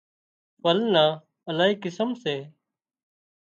ڦل نان الاهي قسم سي